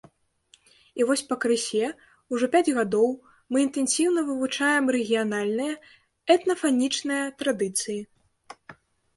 І вось пакрысе, ўжо пяць гадоў, мы інтэнсіўна вывучаем рэгіянальныя этнафанічныя традыцыі.